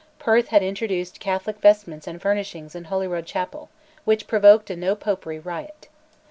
Perth had introduced Catholic vestments and furnishings in Holyrood chapel, which provoked a No Popery riot.